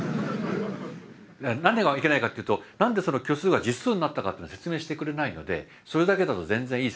何がいけないかっていうと何でその虚数が実数になったかというのは説明してくれないのでそれだけだと全然いい説明になってない。